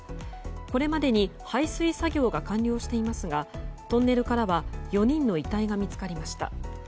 これまでに排水作業が完了していますがトンネルからは４人の遺体が見つかりました。